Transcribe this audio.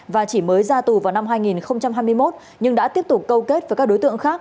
và chỉ mới ra tù vào năm hai nghìn hai mươi một nhưng đã tiếp tục câu kết với các đối tượng khác